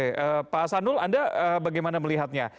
oke pak sanul anda bagaimana melihatnya